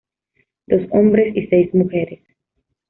Dos hombres y seis mujeres.